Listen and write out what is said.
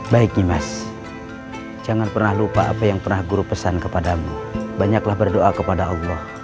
baik nih mas jangan pernah lupa apa yang pernah guru pesan kepadamu banyaklah berdoa kepada allah